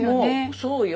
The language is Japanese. そうよ。